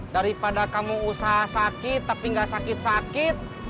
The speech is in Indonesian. daripada kamu usaha sakit tapi gak sakit sakit